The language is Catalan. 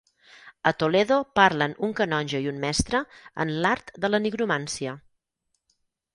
A Toledo parlen un canonge i un mestre en l'art de la nigromància.